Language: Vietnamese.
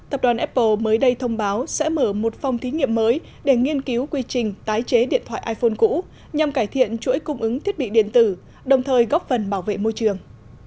tập đoàn apple mới đây thông báo sẽ mở một phòng thí nghiệm mới để nghiên cứu quy trình tái chế điện thoại iphone cũ nhằm cải thiện chuỗi cung ứng thiết bị điện tử đồng thời góp phần bảo vệ môi trường